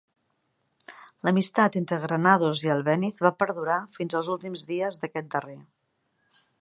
L'amistat entre Granados i Albéniz va perdurar fins als últims dies d'aquest darrer.